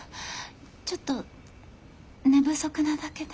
ちょっと寝不足なだけで。